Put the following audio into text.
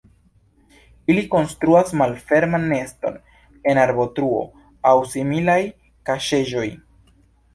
Ili konstruas malferman neston en arbotruo aŭ similaj kaŝeĵoj.